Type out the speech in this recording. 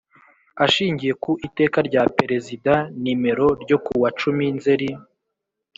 Ashingiye ku iteka rya Perezida nimero ryo ku wa cumi nzeri